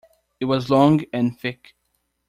It was long and thick.